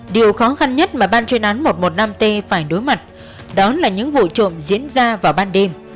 điều khó khăn nhất mà ban chuyên án một trăm một mươi năm t phải đối mặt đó là những vụ trộm diễn ra vào ban đêm